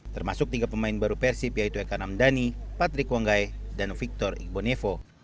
termasuk tiga pemain baru persib yaitu ekanamdani patrick wonggai dan victor igbonevo